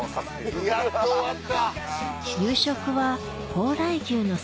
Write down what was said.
やっと終わった！